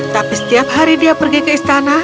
tapi setiap hari dia pergi ke istana